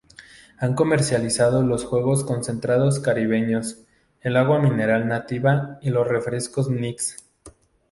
Ha comercializado los jugos concentrados Caribeño, el agua mineral Nativa y los refrescos Nix.